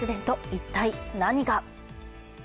一体何が？